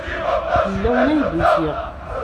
Fell-awen ay d-usiɣ.